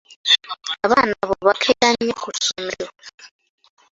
Abaana abo bakeera nnyo ku ssomero.